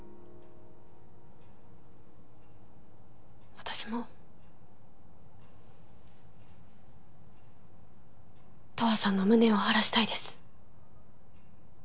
私も十和さんの無念を晴らしたいです。